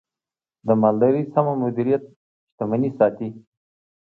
د مالدارۍ سمه مدیریت، شتمني ساتي.